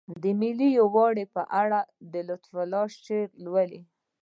د ملي یووالي په اړه د الفت شعر لولئ.